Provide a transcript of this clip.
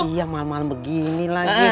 iya malem malem begini lagi